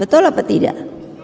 betul atau tidak